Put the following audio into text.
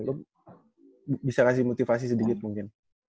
untuk bisa kasih motivasi sedikit mungkin